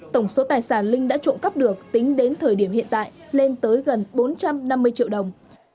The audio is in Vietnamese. tổng số tài sản linh đã trộm cắp được tính đến thời điểm hiện tại lên tới gần bốn trăm năm mươi triệu đồng